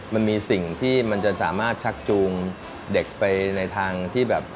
มันมีสิ่งที่มันจะสามารถชักจูงเด็กไปในทางที่แบบ